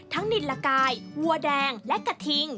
นินละกายวัวแดงและกระทิง